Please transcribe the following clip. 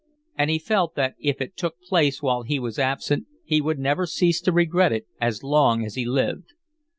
And he felt that if it took place while he was absent he would never cease to regret it as long as he lived.